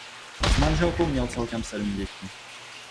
S manželkou měl celkem sedm dětí.